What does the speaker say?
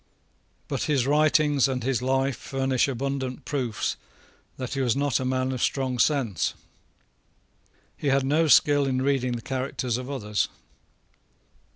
But his writings and his life furnish abundant proofs that he was not a man of strong sense. He had no skill in reading the characters of others.